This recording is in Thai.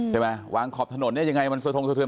ใช่ไหมวางขอบถนนยังไงมันสวยทรงสวยเคลื่อน